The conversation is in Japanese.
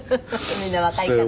みんな若いから。